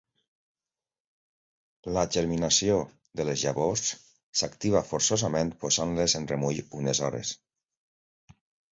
La germinació de les llavors s'activa forçosament posant-les en remull unes hores.